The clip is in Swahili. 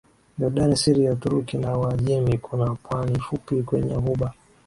Yordani Syria Uturuki na Uajemi Kuna pwani fupi kwenye Ghuba